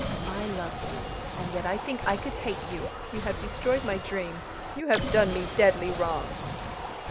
I love you and yet I think I could hate you you have destroyed my dream you have done me deadly wrong."